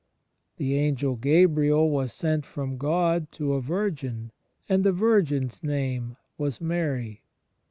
"The angel Gabriel was sent from God ... to a virgin ... and the virgin's name was Mary."